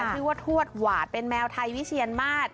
ชื่อว่าทวดหวาดเป็นแมวไทยวิเชียนมาส